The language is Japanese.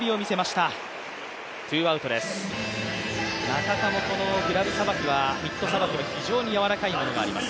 中田もこのミットさばきは非常にやわらかいものがあります。